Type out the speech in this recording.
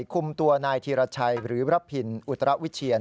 คุมตัวนายธีรชัยหรือระพินอุตรวิเชียน